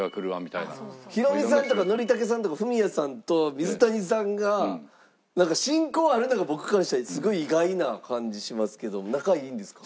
ヒロミさんとか憲武さんとかフミヤさんと水谷さんが親交あるのが僕からしたらすごい意外な感じしますけど仲いいんですか？